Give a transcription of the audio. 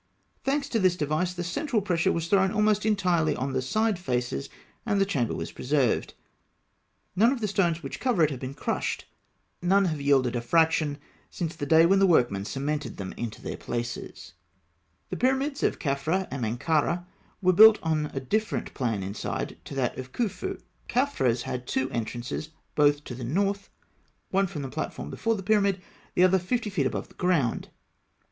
Thanks to this device, the central pressure was thrown almost entirely on the side faces, and the chamber was preserved. None of the stones which cover it have been crushed; none have yielded a fraction since the day when the workmen cemented them into their places (Note 30). [Illustration: Fig. 137. The Step Pyramid of Sakkarah.] The pyramids of Khafra and Menkara were built on a different plan inside to that of Khûfû. Khafra's had two entrances, both to the north, one from the platform before the pyramid, the other fifty feet above the ground.